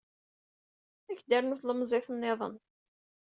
Ad ak-d-ternu talemmiẓt niḍen.